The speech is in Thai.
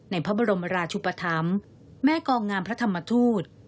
พระบรมราชุปธรรมแม่กองงามพระธรรมทูต